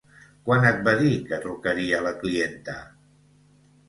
Quan et va dir que trucaria la clienta?